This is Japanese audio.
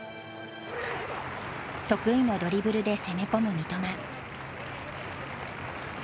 得意のドリブルで攻め込む三笘。